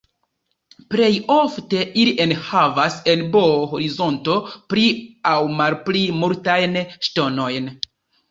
Plej ofte ili enhavas en B-horizonto pli aŭ malpli multajn ŝtonojn.